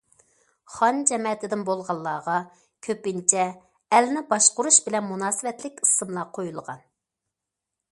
خان جەمەتىدىن بولغانلارغا كۆپىنچە ئەلنى باشقۇرۇش بىلەن مۇناسىۋەتلىك ئىسىملار قويۇلغان.